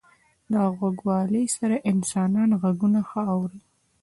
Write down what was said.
• د غوږوالۍ سره انسانان ږغونه ښه اوري.